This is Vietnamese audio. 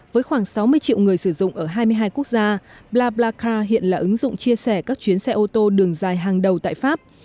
với khoảng sáu mươi triệu người sử dụng ở hai mươi hai quốc gia plablaca hiện là ứng dụng chia sẻ các chuyến xe ô tô đường dài hàng đầu tại pháp